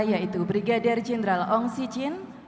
yaitu brigadir jenderal ong si jin